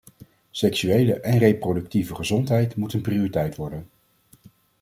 Seksuele en reproductieve gezondheid moet een prioriteit worden.